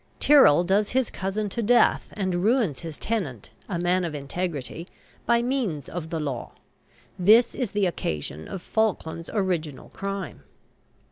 Tyrrel does his cousin to death and ruins his tenant, a man of integrity, by means of the law. This is the occasion of Falkland's original crime.